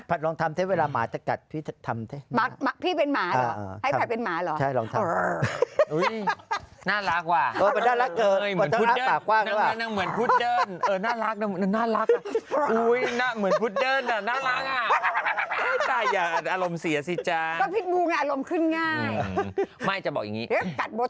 พันธุ์ลองทำเท่าไหร่เวลาหมาจะกัดพี่จะทำเท่าไหร่